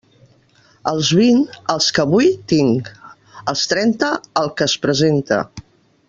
Als vint, els que vull tinc; als trenta, el que es presenta.